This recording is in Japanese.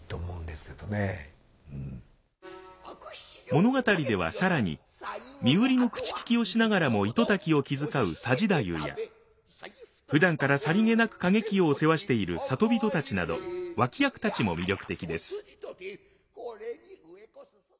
物語では更に身売りの口利きをしながらも糸滝を気遣う佐治太夫やふだんからさりげなく景清を世話している里人たちなど脇役たちも魅力的です。